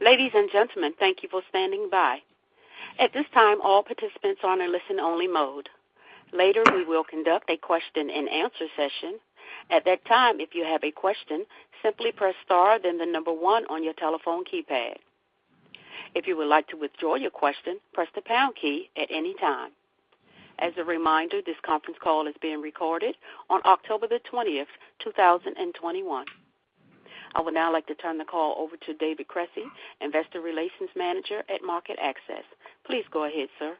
Ladies and gentlemen, thank you for standing by. At this time, all participants are in listen-only mode. Later, we will conduct a question and answer session. At that time, if you have a question, simply press star then the number one on your telephone keypad. If you would like to withdraw your question, press the pound key at any time. As a reminder, this conference call is being recorded on October the 20th, 2021. I would now like to turn the call over to David Cresci, Investor Relations Manager at MarketAxess. Please go ahead, sir.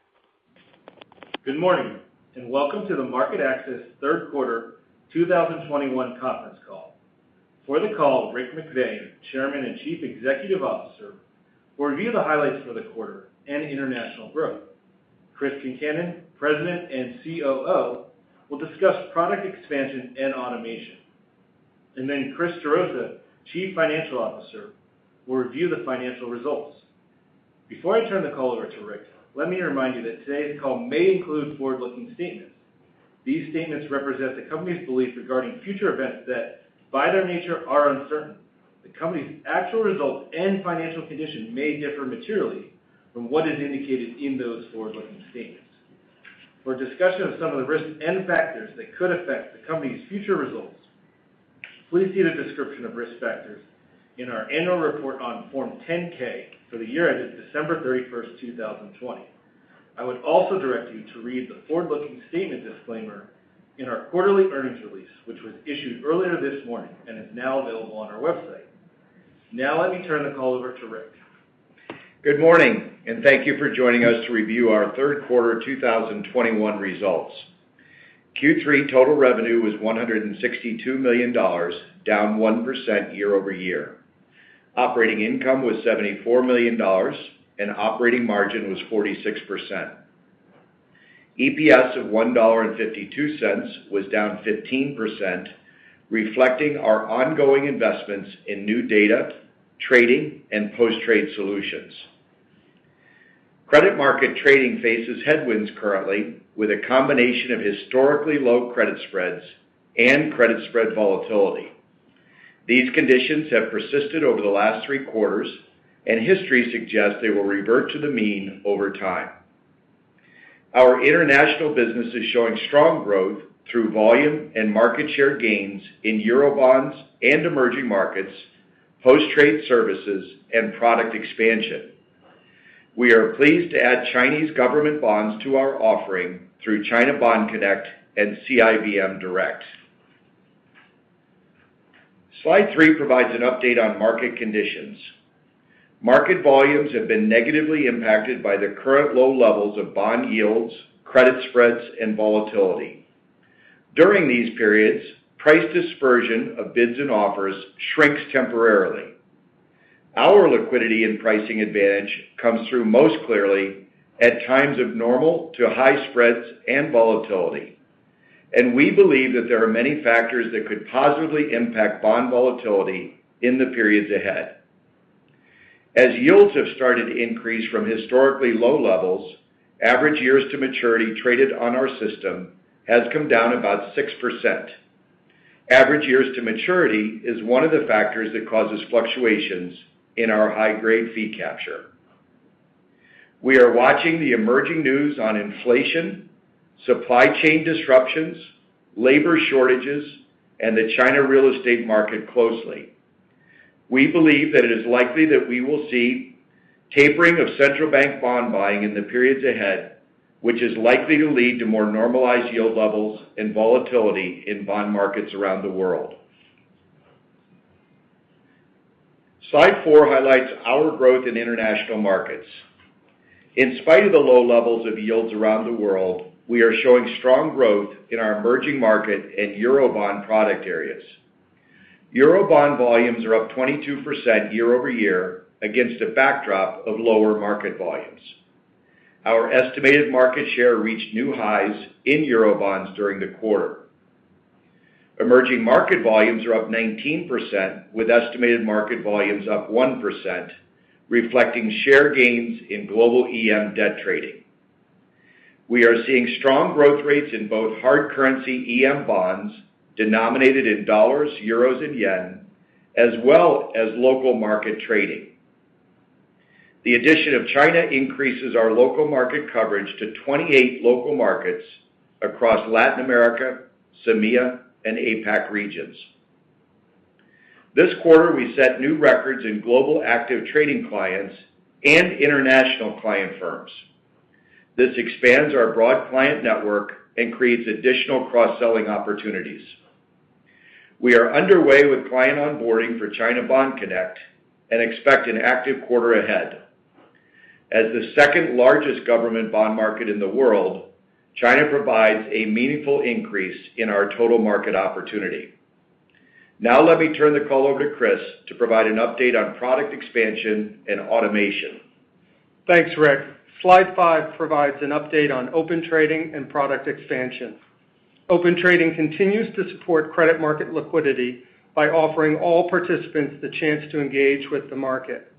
Good morning, and welcome to the MarketAxess third quarter 2021 conference call. For the call, Rick McVey, Chairman and Chief Executive Officer, will review the highlights for the quarter and international growth. Chris Concannon, President and COO, will discuss product expansion and automation. Chris Gerosa, Chief Financial Officer, will review the financial results. Before I turn the call over to Rick, let me remind you that today's call may include forward-looking statements. These statements represent the company's belief regarding future events that, by their nature, are uncertain. The company's actual results and financial condition may differ materially from what is indicated in those forward-looking statements. For a discussion of some of the risks and factors that could affect the company's future results, please see the description of risk factors in our annual report on Form 10-K for the year ended December 31st, 2020. I would also direct you to read the forward-looking statement disclaimer in our quarterly earnings release, which was issued earlier this morning and is now available on our website. Let me turn the call over to Rick. Good morning. Thank you for joining us to review our third quarter 2021 results. Q3 total revenue was $162 million, down 1% year-over-year. Operating income was $74 million. Operating margin was 46%. EPS of $1.52 was down 15%, reflecting our ongoing investments in new data, trading, and post-trade solutions. Credit market trading faces headwinds currently, with a combination of historically low credit spreads and credit spread volatility. These conditions have persisted over the last three quarters. History suggests they will revert to the mean over time. Our international business is showing strong growth through volume and market share gains in Eurobonds and emerging markets, post-trade services, and product expansion. We are pleased to add Chinese government bonds to our offering through China Bond Connect and CIBM Direct. Slide three provides an update on market conditions. Market volumes have been negatively impacted by the current low levels of bond yields, credit spreads, and volatility. During these periods, price dispersion of bids and offers shrinks temporarily. Our liquidity and pricing advantage comes through most clearly at times of normal to high spreads and volatility, and we believe that there are many factors that could positively impact bond volatility in the periods ahead. As yields have started to increase from historically low levels, average years to maturity traded on our system has come down about 6%. Average years to maturity is one of the factors that causes fluctuations in our high-grade fee capture. We are watching the emerging news on inflation, supply chain disruptions, labor shortages, and the China real estate market closely. We believe that it is likely that we will see tapering of central bank bond buying in the periods ahead, which is likely to lead to more normalized yield levels and volatility in bond markets around the world. Slide four highlights our growth in international markets. In spite of the low levels of yields around the world, we are showing strong growth in our emerging market and Eurobond product areas. Eurobond volumes are up 22% year-over-year against a backdrop of lower market volumes. Our estimated market share reached new highs in Eurobonds during the quarter. Emerging market volumes are up 19%, with estimated market volumes up 1%, reflecting share gains in global EM debt trading. We are seeing strong growth rates in both hard currency EM bonds denominated in dollars, euros, and yen, as well as local market trading. The addition of China increases our local market coverage to 28 local markets across Latin America, EMEA, and APAC regions. This quarter, we set new records in global active trading clients and international client firms. This expands our broad client network and creates additional cross-selling opportunities. We are underway with client onboarding for China Bond Connect and expect an active quarter ahead. As the second-largest government bond market in the world, China provides a meaningful increase in our total market opportunity. Let me turn the call over to Chris to provide an update on product expansion and automation. Thanks, Rick. Slide five provides an update on Open Trading and product expansion. Open Trading continues to support credit market liquidity by offering all participants the chance to engage with the market.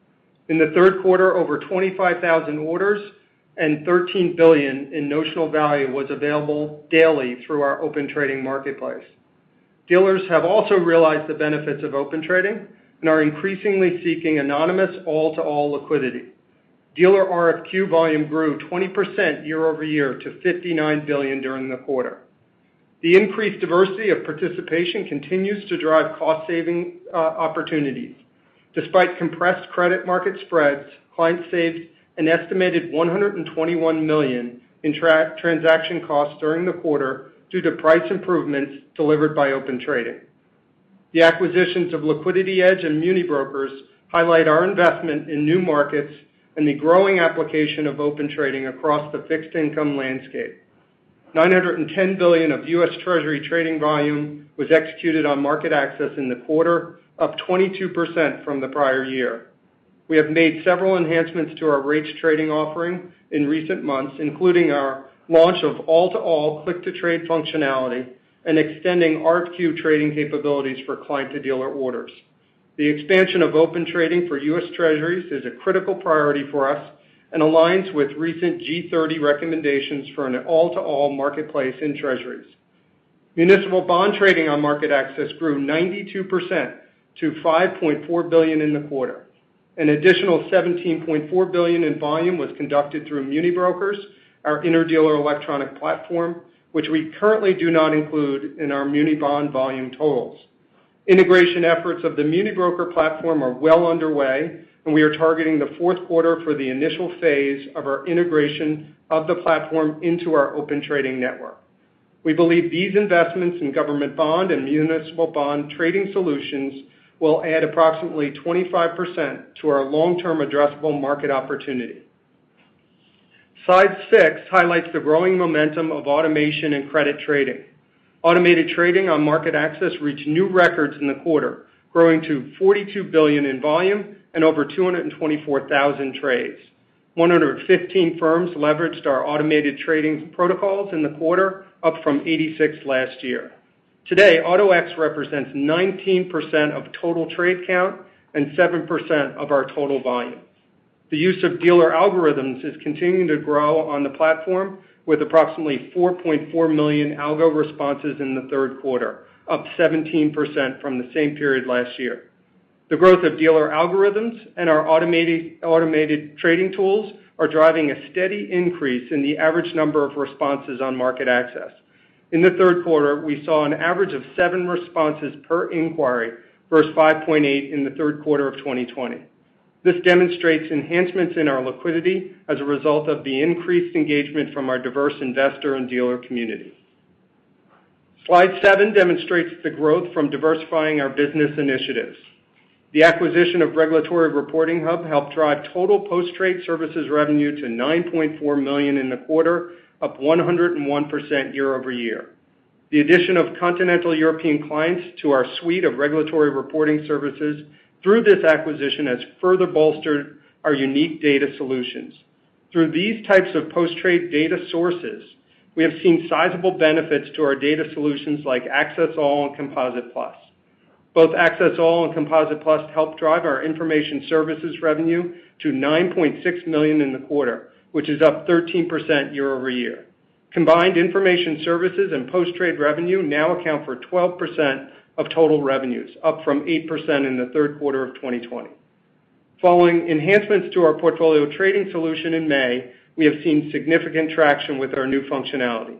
In the third quarter, over 25,000 orders and $13 billion in notional value was available daily through our Open Trading marketplace. Dealers have also realized the benefits of Open Trading and are increasingly seeking anonymous all-to-all liquidity. Dealer RFQ volume grew 20% year-over-year to $59 billion during the quarter. The increased diversity of participation continues to drive cost-saving opportunities. Despite compressed credit market spreads, clients saved an estimated $121 million in transaction costs during the quarter due to price improvements delivered by Open Trading. The acquisitions of LiquidityEdge and MuniBrokers highlight our investment in new markets and the growing application of Open Trading across the fixed income landscape. $910 billion of U.S. Treasury trading volume was executed on MarketAxess in the quarter, up 22% from the prior year. We have made several enhancements to our rates trading offering in recent months, including our launch of all-to-all click-to-trade functionality and extending RFQ trading capabilities for client-to-dealer orders. The expansion of Open Trading for U.S. Treasuries is a critical priority for us and aligns with recent G30 recommendations for an all-to-all marketplace in Treasuries. Municipal bond trading on MarketAxess grew 92% to $5.4 billion in the quarter. An additional $17.4 billion in volume was conducted through MuniBrokers, our interdealer electronic platform, which we currently do not include in our muni bond volume totals. Integration efforts of the MuniBrokers platform are well underway, and we are targeting the fourth quarter for the initial phase of our integration of the platform into our Open Trading network. We believe these investments in government bond and municipal bond trading solutions will add approximately 25% to our long-term addressable market opportunity. Slide six highlights the growing momentum of automation and credit trading. Automated trading on MarketAxess reached new records in the quarter, growing to $42 billion in volume and over 224,000 trades. 115 firms leveraged our automated trading protocols in the quarter, up from 86 last year. Today, Auto-X represents 19% of total trade count and 7% of our total volume. The use of dealer algorithms is continuing to grow on the platform, with approximately 4.4 million algo responses in the third quarter, up 17% from the same period last year. The growth of dealer algorithms and our automated trading tools are driving a steady increase in the average number of responses on MarketAxess. In the third quarter, we saw an average of 7 responses per inquiry versus 5.8 in the third quarter of 2020. This demonstrates enhancements in our liquidity as a result of the increased engagement from our diverse investor and dealer community. Slide seven demonstrates the growth from diversifying our business initiatives. The acquisition of Regulatory Reporting Hub helped drive total post-trade services revenue to $9.4 million in the quarter, up 101% year-over-year. The addition of continental European clients to our suite of regulatory reporting services through this acquisition has further bolstered our unique data solutions. Through these types of post-trade data sources, we have seen sizable benefits to our data solutions like Axess All and Composite Plus. Both Axess All and Composite Plus helped drive our information services revenue to $9.6 million in the quarter, which is up 13% year-over-year. Combined information services and post-trade revenue now account for 12% of total revenues, up from 8% in the third quarter of 2020. Following enhancements to our portfolio trading solution in May, we have seen significant traction with our new functionality.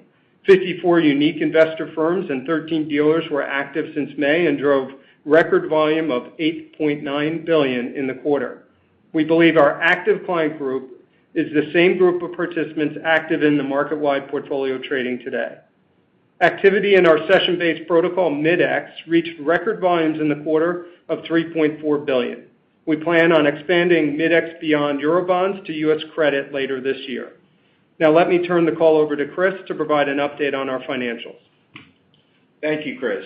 54 unique investor firms and 13 dealers were active since May and drove record volume of $8.9 billion in the quarter. We believe our active client group is the same group of participants active in the market-wide portfolio trading today. Activity in our session-based protocol, Mid-X, reached record volumes in the quarter of $3.4 billion. We plan on expanding Mid-X beyond Eurobonds to U.S. credit later this year. Let me turn the call over to Chris to provide an update on our financials. Thank you, Chris.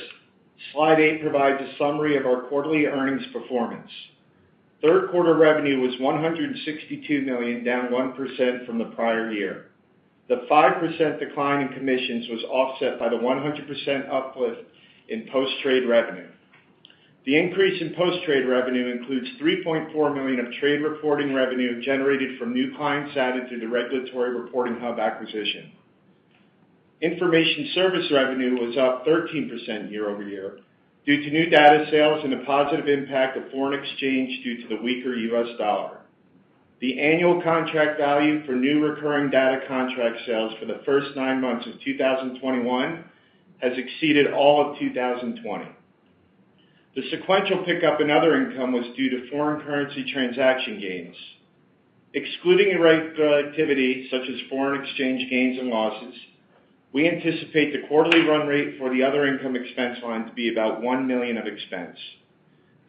Slide eight provides a summary of our quarterly earnings performance. Third quarter revenue was $162 million, down 1% from the prior year. The 5% decline in commissions was offset by the 100% uplift in post-trade revenue. The increase in post-trade revenue includes $3.4 million of trade reporting revenue generated from new clients added through the Regulatory Reporting Hub acquisition. Information service revenue was up 13% year-over-year due to new data sales and a positive impact of foreign exchange due to the weaker U.S. dollar. The annual contract value for new recurring data contract sales for the first nine months of 2021 has exceeded all of 2020. The sequential pickup in other income was due to foreign currency transaction gains. Excluding activity such as foreign exchange gains and losses, we anticipate the quarterly run rate for the other income expense line to be about $1 million of expense.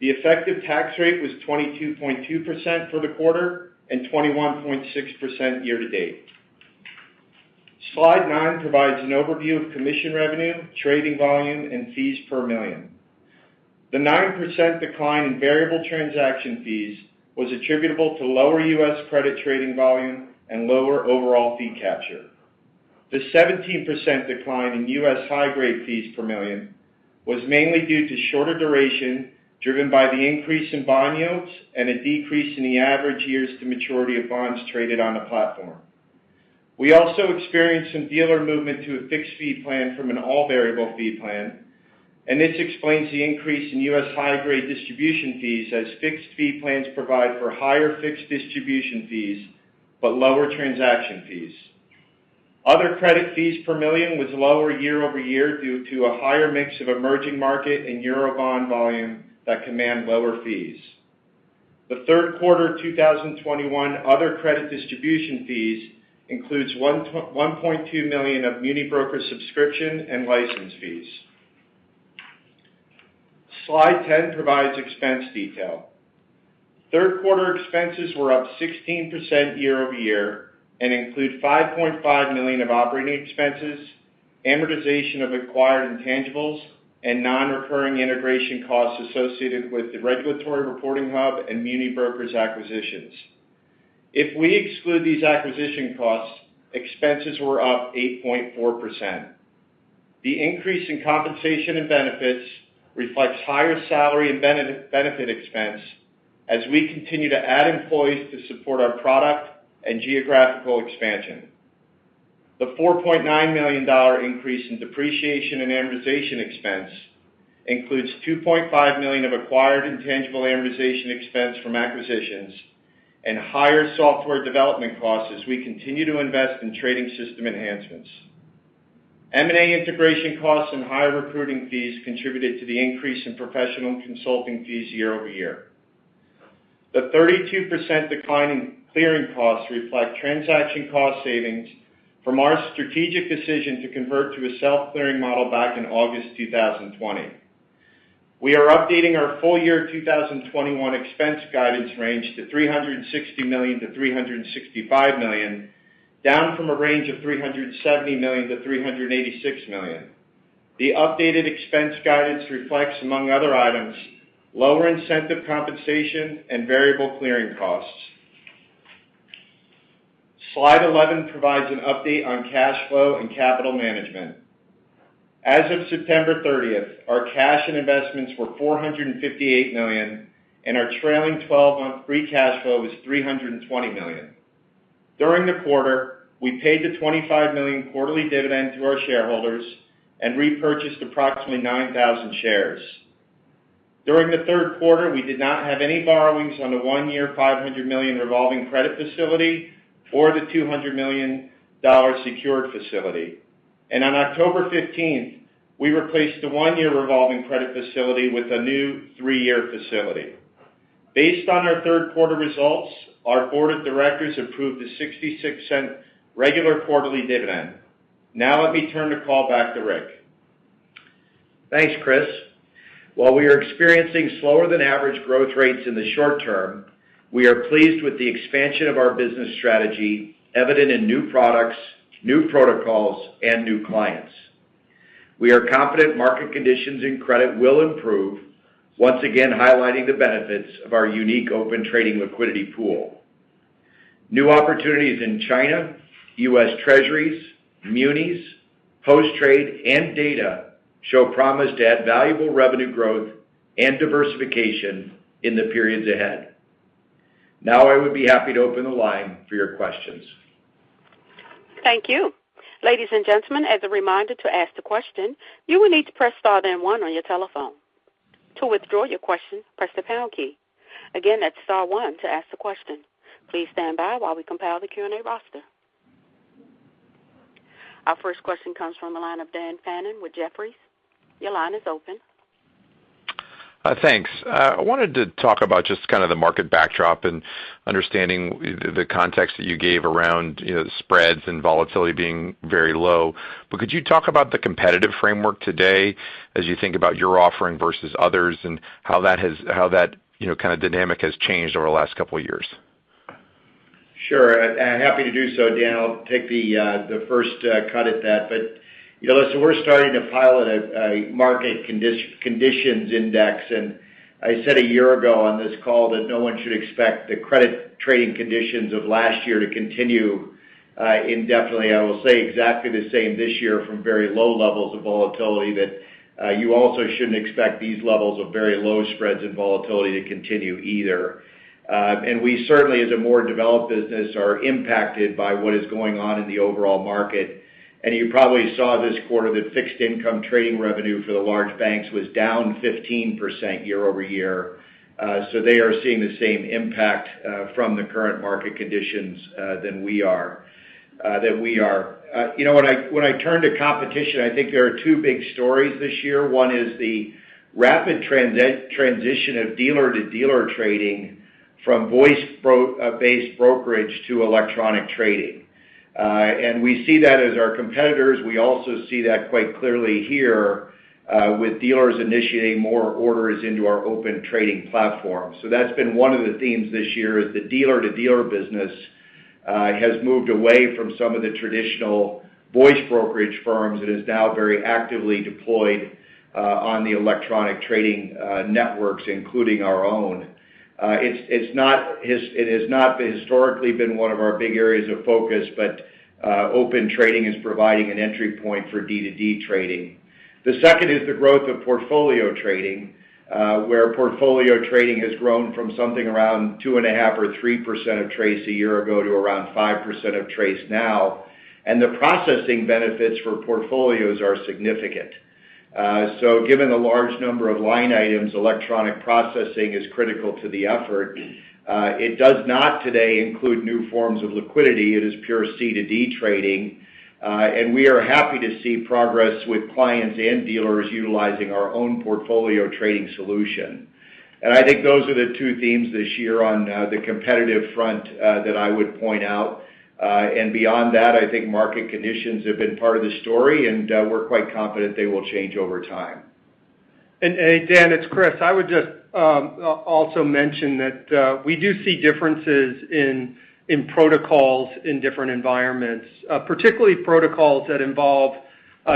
The effective tax rate was 22.2% for the quarter and 21.6% year to date. Slide nine provides an overview of commission revenue, trading volume, and fees per million. The 9% decline in variable transaction fees was attributable to lower U.S. credit trading volume and lower overall fee capture. The 17% decline in U.S. high-grade fees per million was mainly due to shorter duration driven by the increase in bond yields and a decrease in the average years to maturity of bonds traded on the platform. We also experienced some dealer movement to a fixed fee plan from an all-variable fee plan. This explains the increase in U.S. high-grade distribution fees, as fixed fee plans provide for higher fixed distribution fees, but lower transaction fees. Other credit fees per million was lower year-over-year due to a higher mix of emerging market and Eurobond volume that command lower fees. The third quarter 2021 other credit distribution fees includes $1.2 million of MuniBrokers subscription and license fees. Slide 10 provides expense detail. Third quarter expenses were up 16% year-over-year and include $5.5 million of operating expenses, amortization of acquired intangibles, and non-recurring integration costs associated with the Regulatory Reporting Hub and MuniBrokers acquisitions. If we exclude these acquisition costs, expenses were up 8.4%. The increase in compensation and benefits reflects higher salary and benefit expense as we continue to add employees to support our product and geographical expansion. The $4.9 million increase in depreciation and amortization expense includes $2.5 million of acquired intangible amortization expense from acquisitions and higher software development costs as we continue to invest in trading system enhancements. M&A integration costs and higher recruiting fees contributed to the increase in professional consulting fees year-over-year. The 32% decline in clearing costs reflect transaction cost savings from our strategic decision to convert to a self-clearing model back in August 2020. We are updating our full year 2021 expense guidance range to $360 million-$365 million, down from a range of $370 million-$386 million. The updated expense guidance reflects, among other items, lower incentive compensation and variable clearing costs. Slide 11 provides an update on cash flow and capital management. As of September 30th, our cash and investments were $458 million, and our trailing 12-month free cash flow was $320 million. During the quarter, we paid the $25 million quarterly dividend to our shareholders and repurchased approximately 9,000 shares. During the third quarter, we did not have any borrowings on the one-year $500 million revolving credit facility or the $200 million secured facility. On October 15th, we replaced the one-year revolving credit facility with a new three-year facility. Based on our third quarter results, our board of directors approved a $0.66 regular quarterly dividend. Now let me turn the call back to Rick. Thanks, Chris. While we are experiencing slower than average growth rates in the short term, we are pleased with the expansion of our business strategy evident in new products, new protocols, and new clients. We are confident market conditions in credit will improve, once again highlighting the benefits of our unique Open Trading liquidity pool. New opportunities in China, U.S. Treasuries, Munis, post-trade, and data show promise to add valuable revenue growth and diversification in the periods ahead. Now, I would be happy to open the line for your questions. Thank you. Ladies and gentlemen, as a reminder, to ask the question, you will need to press star then one on your telephone. To withdraw your question, press the pound key. Again, that's star one to ask the question. Please stand by while we compile the Q&A roster. Our first question comes from the line of Dan Fannon with Jefferies. Your line is open. Thanks. I wanted to talk about just kind of the market backdrop and understanding the context that you gave around spreads and volatility being very low. Could you talk about the competitive framework today as you think about your offering versus others and how that kind of dynamic has changed over the last couple of years? Sure. Happy to do so, Dan. I'll take the first cut at that. Listen, we're starting to pilot a market conditions index, and I said a year ago on this call that no one should expect the credit trading conditions of last year to continue indefinitely. I will say exactly the same this year from very low levels of volatility that you also shouldn't expect these levels of very low spreads and volatility to continue either. We certainly, as a more developed business, are impacted by what is going on in the overall market. You probably saw this quarter that fixed income trading revenue for the large banks was down 15% year-over-year. They are seeing the same impact from the current market conditions than we are. When I turn to competition, I think there are two big stories this year. One is the rapid transition of dealer-to-dealer trading from voice-based brokerage to electronic trading. We see that as our competitors. We also see that quite clearly here, with dealers initiating more orders into our Open Trading platform. That's been one of the themes this year, is the dealer-to-dealer business has moved away from some of the traditional voice brokerage firms and is now very actively deployed on the electronic trading networks, including our own. It has not historically been one of our big areas of focus, but Open Trading is providing an entry point for D2D trading. The second is the growth of portfolio trading. Where portfolio trading has grown from something around 2.5% or 3% of trades a year ago to around 5% of trades now. The processing benefits for portfolios are significant. Given the large number of line items, electronic processing is critical to the effort. It does not today include new forms of liquidity. It is pure C2D trading. We are happy to see progress with clients and dealers utilizing our own portfolio trading solution. I think those are the two themes this year on the competitive front that I would point out. Beyond that, I think market conditions have been part of the story, and we're quite confident they will change over time. Dan, it's Chris. I would just also mention that we do see differences in protocols in different environments, particularly protocols that involve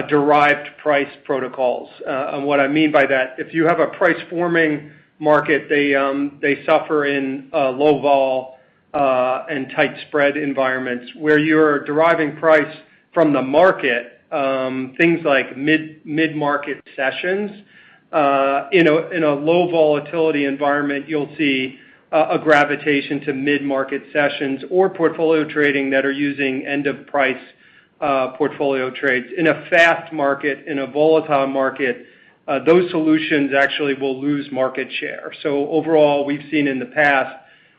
derived price protocols. What I mean by that, if you have a price-forming market, they suffer in low vol and tight spread environments where you're deriving price from the market, things like mid-market sessions. In a low volatility environment, you'll see a gravitation to mid-market sessions or portfolio trading that are using end of price portfolio trades. In a fast market, in a volatile market, those solutions actually will lose market share. Overall, we've seen in the past,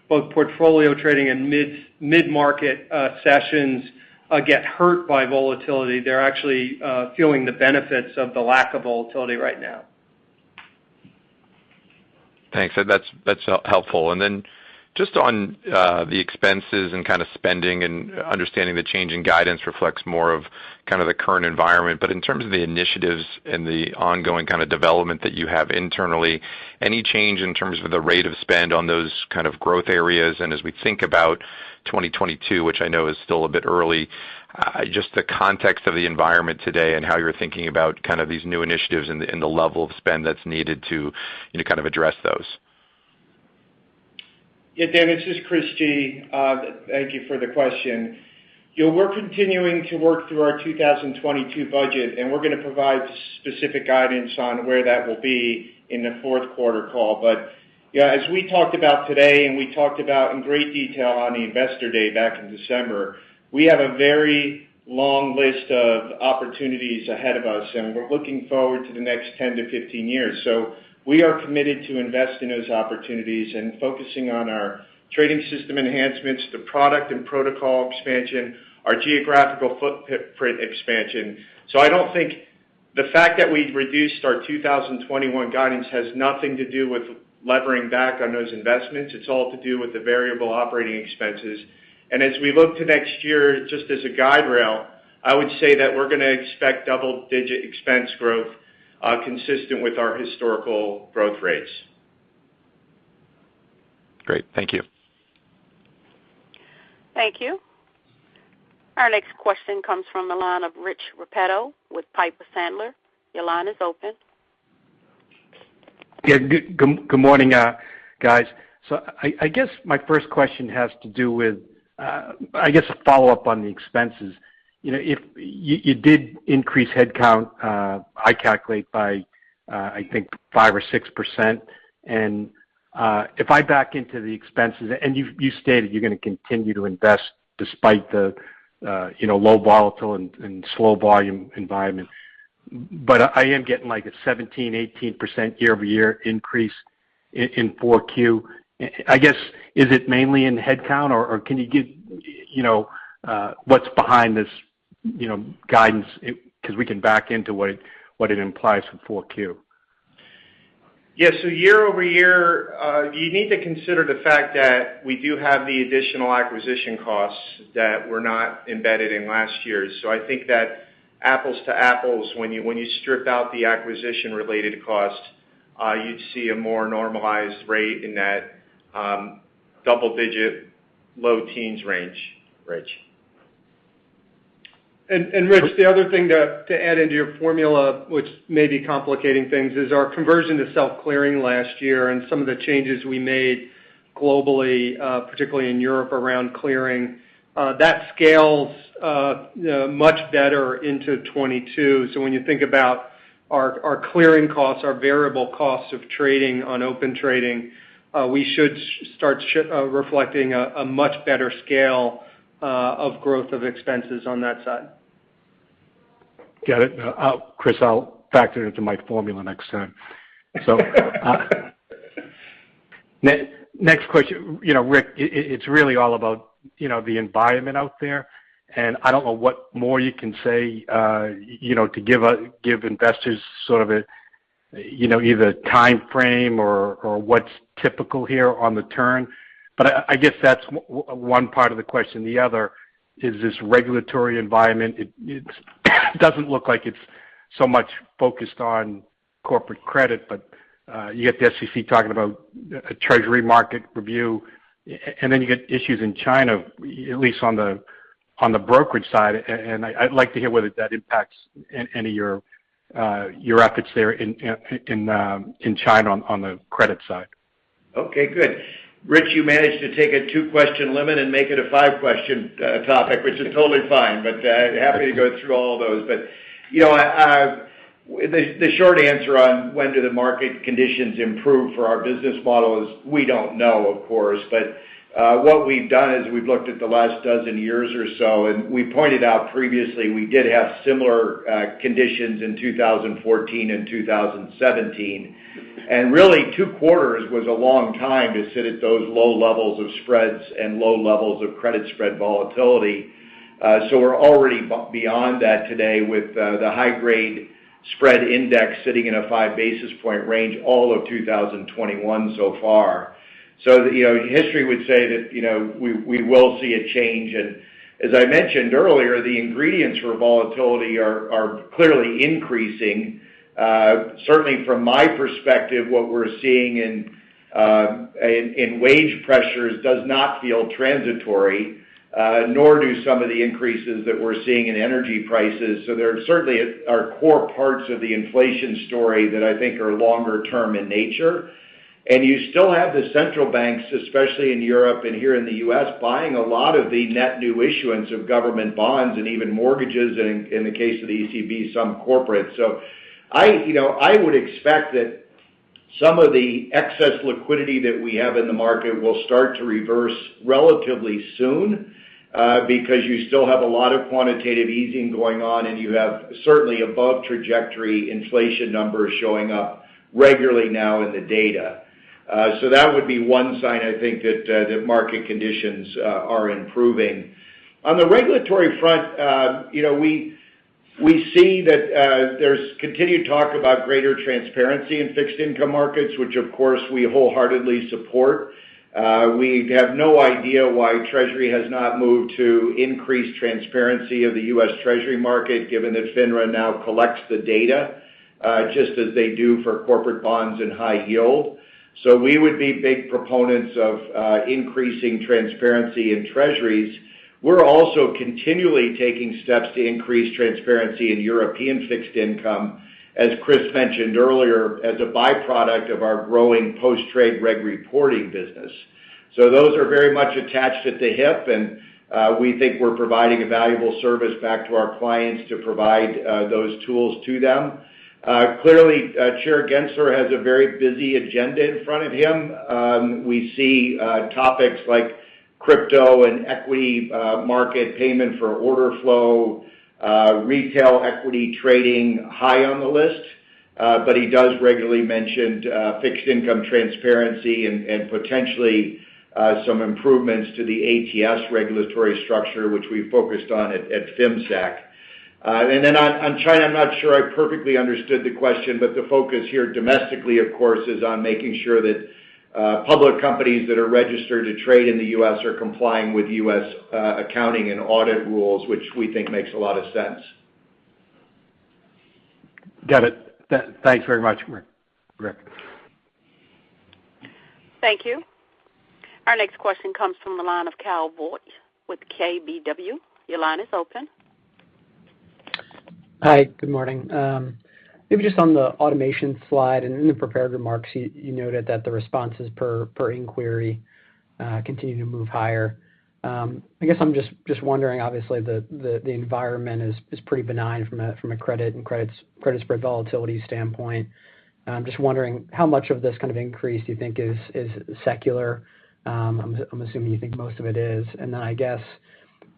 both portfolio trading and mid-market sessions get hurt by volatility. They're actually feeling the benefits of the lack of volatility right now. Thanks. That's helpful. Then just on the expenses and kind of spending and understanding the change in guidance reflects more of kind of the current environment, but in terms of the initiatives and the ongoing kind of development that you have internally, any change in terms of the rate of spend on those kind of growth areas? As we think about 2022, which I know is still a bit early, just the context of the environment today and how you're thinking about kind of these new initiatives and the level of spend that's needed to kind of address those? Yeah, Dan, this is Chris G. Thank you for the question. We're continuing to work through our 2022 budget, and we're going to provide specific guidance on where that will be in the fourth quarter call. Yeah, as we talked about today, and we talked about in great detail on the investor day back in December, we have a very long list of opportunities ahead of us, and we're looking forward to the next 10-15 years. We are committed to invest in those opportunities and focusing on our trading system enhancements, the product and protocol expansion, our geographical footprint expansion. I don't think the fact that we've reduced our 2021 guidance has nothing to do with levering back on those investments. It's all to do with the variable operating expenses. As we look to next year, just as a guide rail, I would say that we're going to expect double-digit expense growth, consistent with our historical growth rates. Great. Thank you. Thank you. Our next question comes from the line of Rich Repetto with Piper Sandler. Your line is open. Good morning, guys. I guess my first question has to do with, I guess, a follow-up on the expenses. You did increase headcount, I calculate by, I think 5% or 6%. If I back into the expenses, and you stated you're going to continue to invest despite the low volatile and slow volume environment. I am getting like a 17%-18% year-over-year increase in 4Q. I guess, is it mainly in headcount, or can you give what's behind this guidance? We can back into what it implies for 4Q. Yeah. Year-over-year, you need to consider the fact that we do have the additional acquisition costs that were not embedded in last year's. I think that apples-to-apples, when you strip out the acquisition-related cost, you'd see a more normalized rate in that double-digit low teens range, Rich. Rich, the other thing to add into your formula, which may be complicating things, is our conversion to self-clearing last year and some of the changes we made globally, particularly in Europe around clearing. That scales much better into 2022. When you think about our clearing costs, our variable costs of trading on Open Trading, we should start reflecting a much better scale of growth of expenses on that side. Got it. Chris, I'll factor it into my formula next time. Next question. Rick, it's really all about the environment out there, and I don't know what more you can say to give investors sort of either timeframe or what's typical here on the turn. I guess that's one part of the question. The other is this regulatory environment. It doesn't look like it's so much focused on corporate credit, but you get the SEC talking about a treasury market review, and then you get issues in China, at least on the brokerage side, and I'd like to hear whether that impacts any of your efforts there in China on the credit side. Okay, good. Rich, you managed to take a two-question limit and make it a five-question topic, which is totally fine. Happy to go through all of those. The short answer on when do the market conditions improve for our business model is we don't know, of course. What we've done is we've looked at the last dozen years or so, and we pointed out previously, we did have similar conditions in 2014 and 2017. Really, two quarters was a long time to sit at those low levels of spreads and low levels of credit spread volatility. We're already beyond that today with the high grade spread index sitting in a 5 basis point range all of 2021 so far. History would say that we will see a change. As I mentioned earlier, the ingredients for volatility are clearly increasing. Certainly, from my perspective, what we're seeing in wage pressures does not feel transitory, nor do some of the increases that we're seeing in energy prices. There certainly are core parts of the inflation story that I think are longer term in nature. You still have the central banks, especially in Europe and here in the U.S., buying a lot of the net new issuance of government bonds and even mortgages, in the case of the ECB, some corporate. I would expect that some of the excess liquidity that we have in the market will start to reverse relatively soon, because you still have a lot of quantitative easing going on, and you have certainly above trajectory inflation numbers showing up regularly now in the data. That would be one sign I think that market conditions are improving. On the regulatory front, we see that there's continued talk about greater transparency in fixed income markets, which of course we wholeheartedly support. We have no idea why Treasury has not moved to increase transparency of the U.S. Treasury market, given that FINRA now collects the data, just as they do for corporate bonds and high yield. We would be big proponents of increasing transparency in Treasuries. We're also continually taking steps to increase transparency in European fixed income, as Chris mentioned earlier, as a byproduct of our growing post-trade reg reporting business. Those are very much attached at the hip, and we think we're providing a valuable service back to our clients to provide those tools to them. Clearly, Chair Gensler has a very busy agenda in front of him. We see topics like crypto and equity market payment for order flow, retail equity trading high on the list. He does regularly mention fixed income transparency and potentially some improvements to the ATS regulatory structure, which we focused on at FIMSAC. On China, I'm not sure I perfectly understood the question, the focus here domestically, of course, is on making sure that public companies that are registered to trade in the U.S. are complying with U.S. accounting and audit rules, which we think makes a lot of sense. Got it. Thanks very much, Rick. Thank you. Our next question comes from the line of Kyle Voigt with KBW. Your line is open. Hi, good morning. Maybe just on the automation slide, and in the prepared remarks, you noted that the responses per inquiry continue to move higher. I guess I'm just wondering, obviously, the environment is pretty benign from a credit and credit spread volatility standpoint. I'm just wondering how much of this kind of increase do you think is secular. I'm assuming you think most of it is. I guess,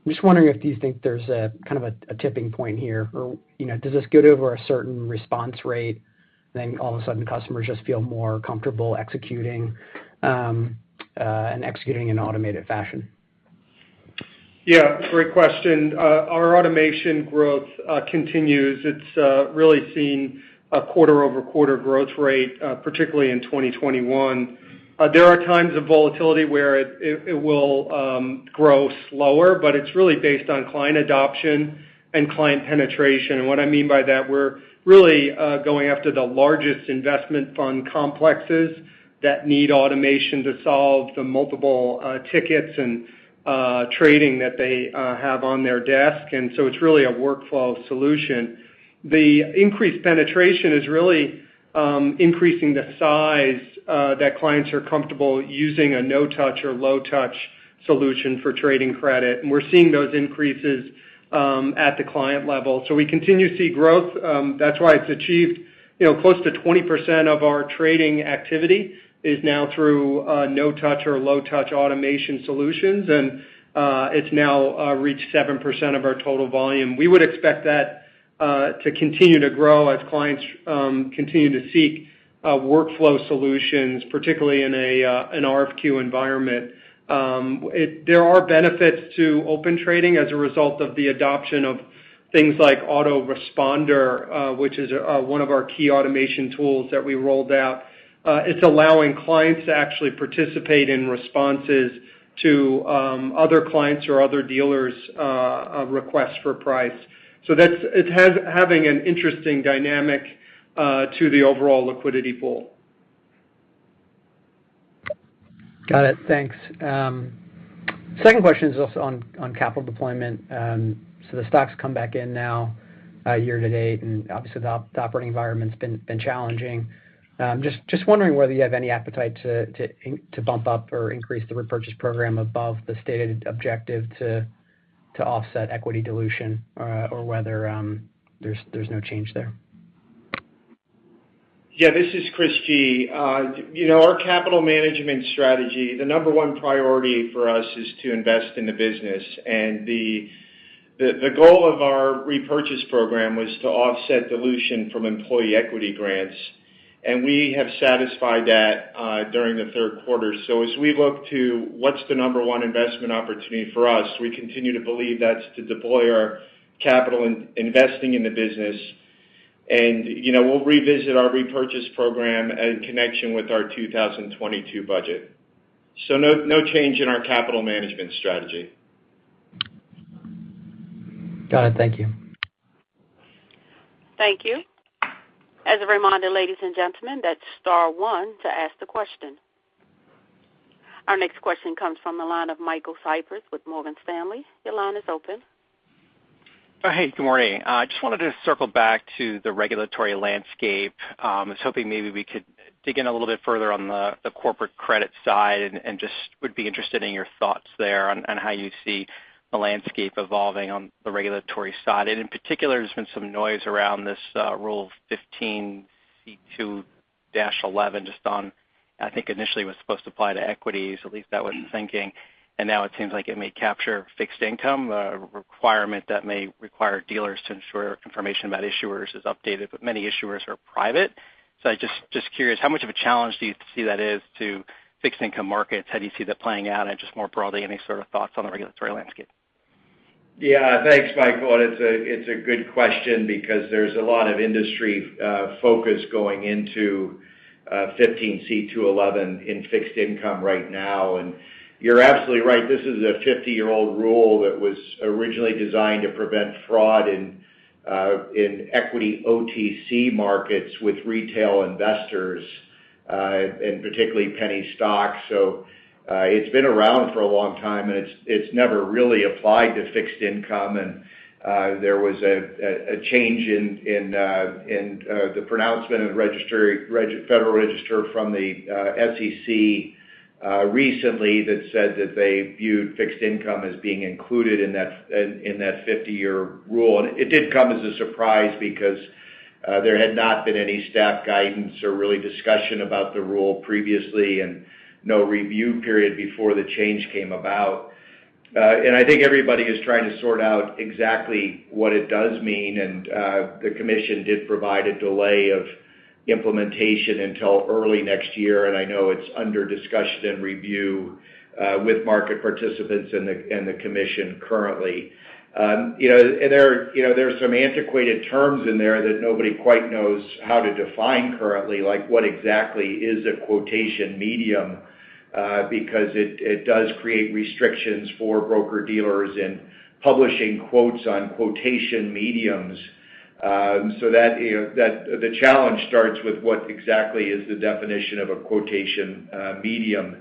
I'm just wondering if you think there's kind of a tipping point here, or does this get over a certain response rate, then all of a sudden customers just feel more comfortable executing in automated fashion? Yeah, great question. Our automation growth continues. It's really seen a quarter-over-quarter growth rate, particularly in 2021. There are times of volatility where it will grow slower, it's really based on client adoption and client penetration. What I mean by that, we're really going after the largest investment fund complexes that need automation to solve the multiple tickets and trading that they have on their desk. It's really a workflow solution. The increased penetration is really increasing the size that clients are comfortable using a no-touch or low-touch solution for trading credit. We're seeing those increases at the client level. We continue to see growth. That's why it's achieved close to 20% of our trading activity is now through no-touch or low-touch automation solutions, and it's now reached 7% of our total volume. We would expect that to continue to grow as clients continue to seek workflow solutions, particularly in an RFQ environment. There are benefits to Open Trading as a result of the adoption of things like Auto-Responder, which is one of our key automation tools that we rolled out. It's allowing clients to actually participate in responses to other clients' or other dealers' requests for price. So it's having an interesting dynamic to the overall liquidity pool. Got it. Thanks. Second question is also on capital deployment. The stock's come back in now year to date, and obviously the operating environment's been challenging. Just wondering whether you have any appetite to bump up or increase the repurchase program above the stated objective to offset equity dilution or whether there's no change there. Yeah, this is Chris G. Our capital management strategy, the number one priority for us is to invest in the business. The goal of our repurchase program was to offset dilution from employee equity grants. We have satisfied that during the third quarter. As we look to what's the number one investment opportunity for us, we continue to believe that's to deploy our capital investing in the business. We'll revisit our repurchase program in connection with our 2022 budget. No change in our capital management strategy. Got it. Thank you. Thank you. As a reminder, ladies and gentlemen, that's star one to ask the question. Our next question comes from the line of Michael Cyprys with Morgan Stanley. Your line is open. Hey, good morning. Just wanted to circle back to the regulatory landscape. I was hoping maybe we could dig in a little bit further on the corporate credit side. Just would be interested in your thoughts there on how you see the landscape evolving on the regulatory side. In particular, there's been some noise around this Rule 15c2-11 just on, I think initially it was supposed to apply to equities, at least that was the thinking. Now it seems like it may capture fixed income, a requirement that may require dealers to ensure information about issuers is updated, but many issuers are private. Just curious, how much of a challenge do you see that is to fixed income markets? How do you see that playing out? Just more broadly, any sort of thoughts on the regulatory landscape? Thanks, Michael. It's a good question because there's a lot of industry focus going into 15c2-11 in fixed income right now. You're absolutely right. This is a 50-year-old rule that was originally designed to prevent fraud in equity OTC markets with retail investors, and particularly penny stocks. It's been around for a long time, and it's never really applied to fixed income. There was a change in the pronouncement of the Federal Register from the SEC recently that said that they viewed fixed income as being included in that 50-year rule. It did come as a surprise because there had not been any staff guidance or really discussion about the rule previously, and no review period before the change came about. I think everybody is trying to sort out exactly what it does mean. The Commission did provide a delay of implementation until early next year, and I know it's under discussion and review with market participants and the Commission currently. There's some antiquated terms in there that nobody quite knows how to define currently, like what exactly is a quotation medium, because it does create restrictions for broker-dealers in publishing quotes on quotation mediums. The challenge starts with what exactly is the definition of a quotation medium.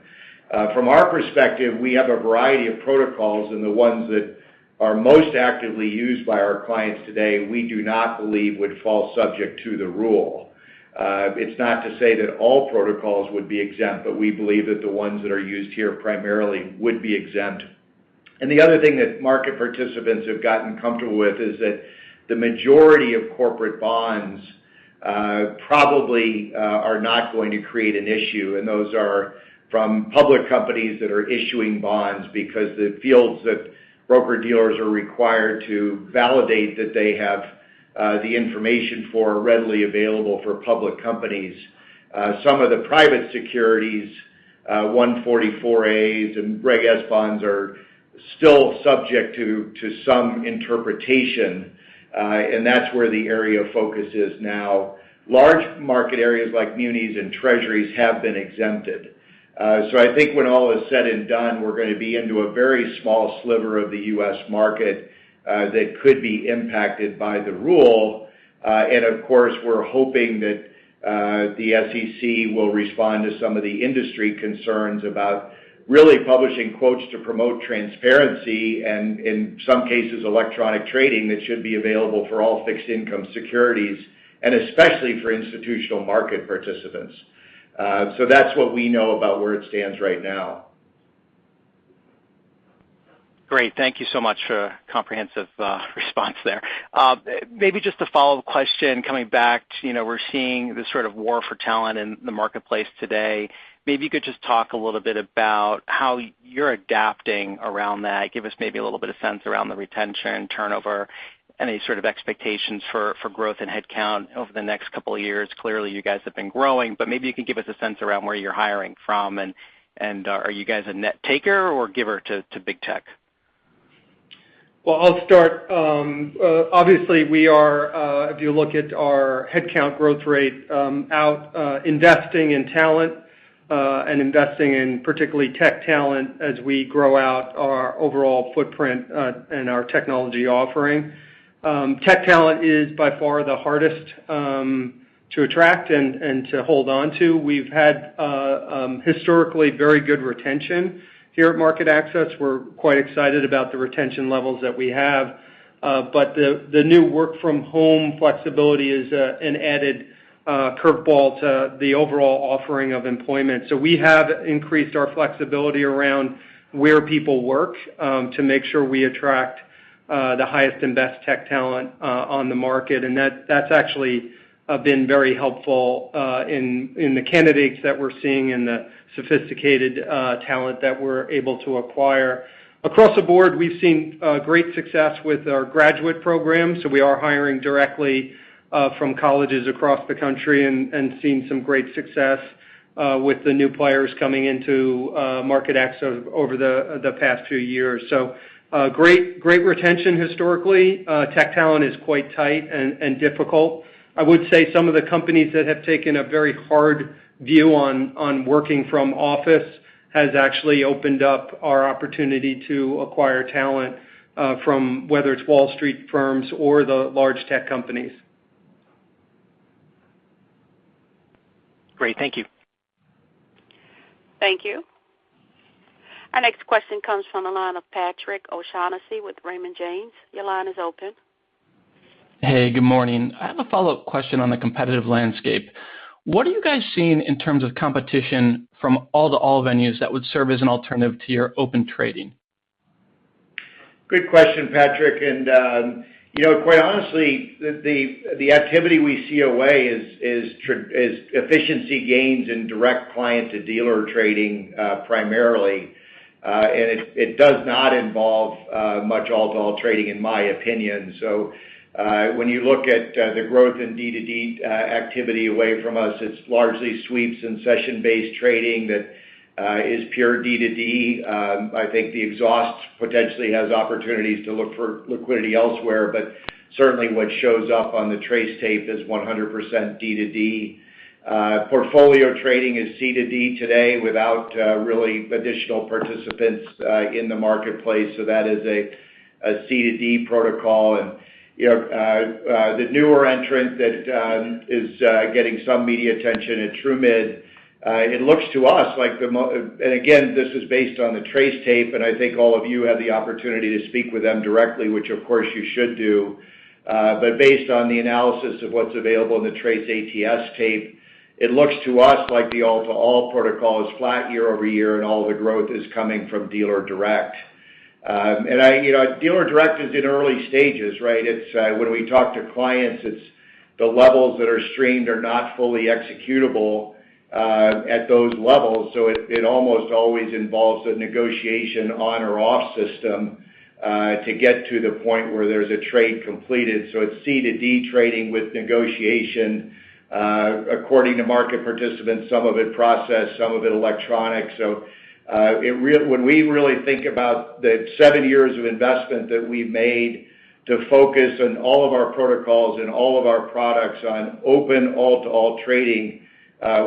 From our perspective, we have a variety of protocols, and the ones that are most actively used by our clients today, we do not believe would fall subject to the rule. It's not to say that all protocols would be exempt, but we believe that the ones that are used here primarily would be exempt. The other thing that market participants have gotten comfortable with is that the majority of corporate bonds probably are not going to create an issue. Those are from public companies that are issuing bonds because the fields that broker-dealers are required to validate that they have the information for, are readily available for public companies. Some of the private securities, 144As and Reg S bonds, are still subject to some interpretation. That's where the area of focus is now. Large market areas like munis and Treasuries have been exempted. I think when all is said and done, we're going to be into a very small sliver of the U.S. market that could be impacted by the rule. Of course, we're hoping that the SEC will respond to some of the industry concerns about really publishing quotes to promote transparency, and in some cases, electronic trading that should be available for all fixed income securities, and especially for institutional market participants. That's what we know about where it stands right now. Great. Thank you so much for a comprehensive response there. Maybe just a follow-up question coming back to we're seeing this sort of war for talent in the marketplace today. Maybe you could just talk a little bit about how you're adapting around that. Give us maybe a little bit of sense around the retention, turnover, any sort of expectations for growth in headcount over the next couple of years. Clearly, you guys have been growing, but maybe you can give us a sense around where you're hiring from, and are you guys a net taker or giver to big tech? I'll start. Obviously we are, if you look at our headcount growth rate, out investing in talent, and investing in particularly tech talent as we grow out our overall footprint and our technology offering. Tech talent is by far the hardest to attract and to hold onto. We've had historically very good retention here at MarketAxess. We're quite excited about the retention levels that we have. The new work from home flexibility is an added curveball to the overall offering of employment. We have increased our flexibility around where people work, to make sure we attract the highest and best tech talent on the market. That's actually been very helpful in the candidates that we're seeing and the sophisticated talent that we're able to acquire. Across the board, we've seen great success with our graduate program, so we are hiring directly from colleges across the country and seeing some great success with the new players coming into MarketAxess over the past two years. Great retention historically. Tech talent is quite tight and difficult. I would say some of the companies that have taken a very hard view on working from office has actually opened up our opportunity to acquire talent from whether it's Wall Street firms or the large tech companies. Great. Thank you. Thank you. Our next question comes from the line of Patrick O'Shaughnessy with Raymond James. Your line is open. Hey, good morning. I have a follow-up question on the competitive landscape. What are you guys seeing in terms of competition from all-to-all venues that would serve as an alternative to your Open Trading? Good question, Patrick. Quite honestly, the activity we see away is efficiency gains in direct client-to-dealer trading primarily. It does not involve much all-to-all trading, in my opinion. When you look at the growth in D2D activity away from us, it's largely sweeps and session-based trading that is pure D2D. I think the exhaust potentially has opportunities to look for liquidity elsewhere, but certainly what shows up on the TRACE tape is 100% D2D. Portfolio trading is C2D today without really additional participants in the marketplace, so that is a C2D protocol. The newer entrant that is getting some media attention at Trumid, it looks to us like, and again, this is based on the TRACE tape, and I think all of you had the opportunity to speak with them directly, which, of course, you should do. Based on the analysis of what's available in the TRACE ATS tape, it looks to us like the all-to-all protocol is flat year-over-year, and all the growth is coming from dealer direct. Dealer direct is in early stages, right? When we talk to clients, it's the levels that are streamed are not fully executable at those levels, so it almost always involves a negotiation on or off system, to get to the point where there's a trade completed. It's C2D trading with negotiation, according to market participants, some of it processed, some of it electronic. When we really think about the seven years of investment that we made to focus on all of our protocols and all of our products on open all-to-all trading,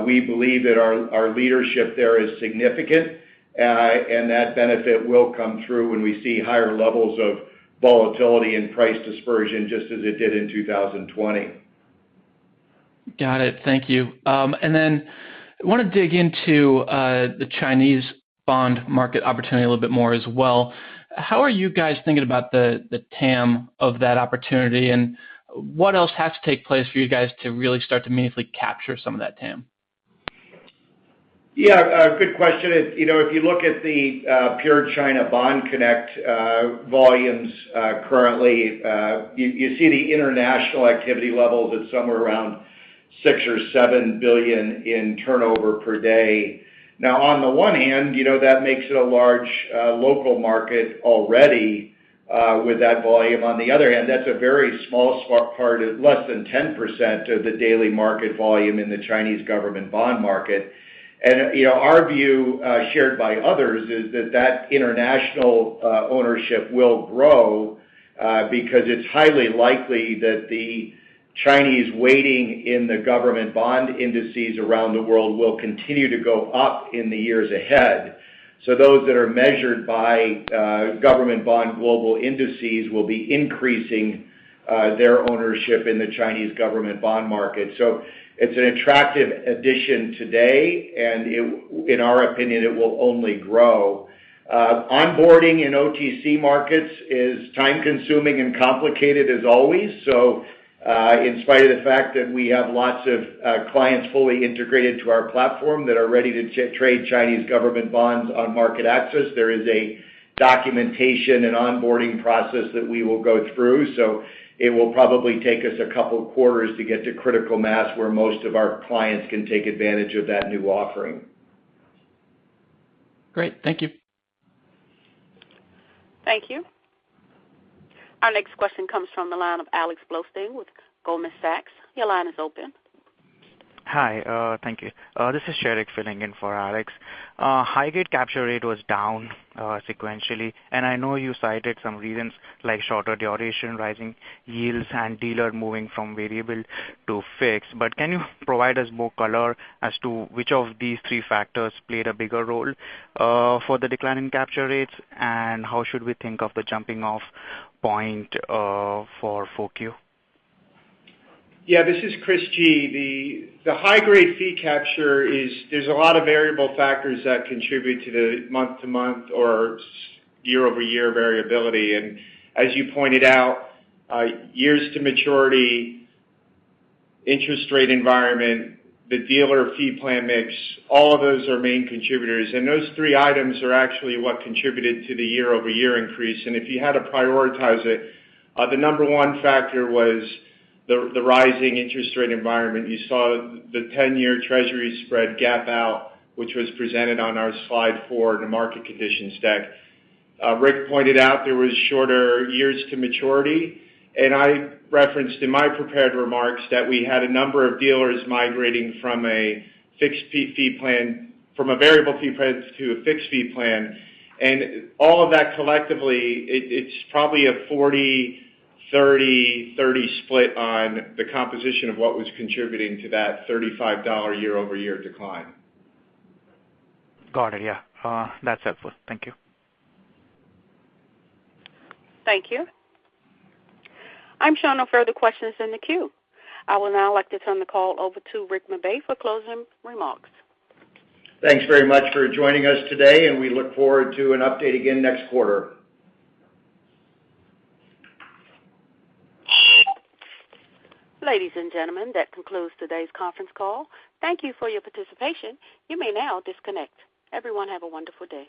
we believe that our leadership there is significant. That benefit will come through when we see higher levels of volatility and price dispersion, just as it did in 2020. Got it. Thank you. Then I want to dig into the China bond market opportunity a little bit more as well. How are you guys thinking about the TAM of that opportunity, and what else has to take place for you guys to really start to meaningfully capture some of that TAM? Good question. If you look at the pure China Bond Connect volumes currently, you see the international activity level that's somewhere around $6 billion or $7 billion in turnover per day. On the one hand, that makes it a large local market already with that volume. On the other hand, that's a very small part, less than 10%, of the daily market volume in the Chinese government bond market. Our view, shared by others, is that that international ownership will grow because it's highly likely that the Chinese weighting in the government bond indices around the world will continue to go up in the years ahead. Those that are measured by government bond global indices will be increasing their ownership in the Chinese government bond market. It's an attractive addition today, and in our opinion, it will only grow. Onboarding in OTC markets is time-consuming and complicated as always. In spite of the fact that we have lots of clients fully integrated to our platform that are ready to trade Chinese government bonds on MarketAxess, there is a documentation and onboarding process that we will go through. It will probably take us a couple of quarters to get to critical mass, where most of our clients can take advantage of that new offering. Great. Thank you. Thank you. Our next question comes from the line of Alex Blostein with Goldman Sachs. Your line is open. Hi. Thank you. This is Sheriq filling in for Alex. High grade capture rate was down sequentially, and I know you cited some reasons like shorter duration, rising yields, and dealer moving from variable to fixed. Can you provide us more color as to which of these three factors played a bigger role for the decline in capture rates? How should we think of the jumping off point for 4Q? Yeah. This is Chris G. The high grade fee capture is. There's a lot of variable factors that contribute to the month-to-month or year-over-year variability. As you pointed out, years to maturity, interest rate environment, the dealer fee plan mix, all of those are main contributors. Those three items are actually what contributed to the year-over-year increase. If you had to prioritize it, the number one factor was the rising interest rate environment. You saw the 10-year Treasury spread gap out, which was presented on our slide for the market conditions deck. Rick pointed out there was shorter years to maturity, and I referenced in my prepared remarks that we had a number of dealers migrating from a variable fee plan to a fixed fee plan. All of that collectively, it's probably a 40/30/30 split on the composition of what was contributing to that $35 year-over-year decline. Got it. Yeah. That's helpful. Thank you. Thank you. I'm shown no further questions in the queue. I will now like to turn the call over to Rick McVey for closing remarks. Thanks very much for joining us today, and we look forward to an update again next quarter. Ladies and gentlemen, that concludes today's conference call. Thank you for your participation. You may now disconnect. Everyone have a wonderful day.